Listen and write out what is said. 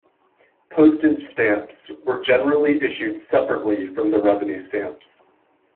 Postage stamps were generally issued separately from the revenue stamps.